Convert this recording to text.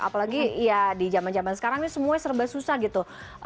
apalagi ya di zaman zaman sekarang ini semuanya serba susah gitu